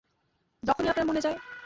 যখনই আপনার মনে চা্য়।